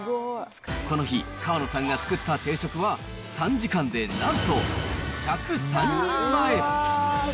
この日、河野さんが作った定食は、３時間で、なんと１０３人前。